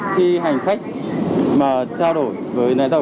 khi hành khách mà trao đổi với lái tàu